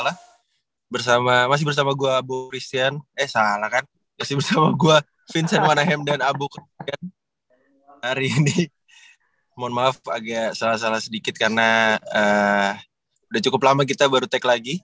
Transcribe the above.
hari ini mohon maaf agak salah salah sedikit karena sudah cukup lama kita baru tag lagi